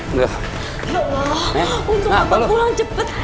nggak mak untuk apa pulang cepet